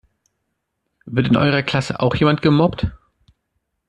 Wird in eurer Klasse auch jemand gemobbt?